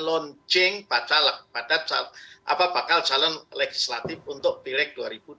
launching bakal calon legislatif untuk pireg dua ribu dua puluh empat